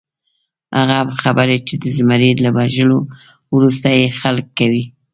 هغه خبرې چې د زمري له وژلو وروسته یې خلک کوي.